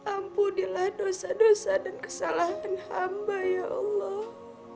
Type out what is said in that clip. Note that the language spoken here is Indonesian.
ampunilah dosa dosa dan kesalahan hamba ya allah